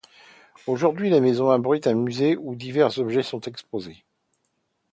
Aujourd'hui la maison abrite un musée où divers objets sont exposés.